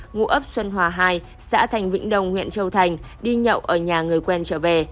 ngụ ấp xuân hòa hai xã thành vĩnh đồng huyện châu thành đi nhậu ở nhà người quen trở về